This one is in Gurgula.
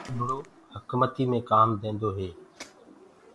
نيٚڀڙو هڪمتيٚ مي ڪآم دينٚدو هي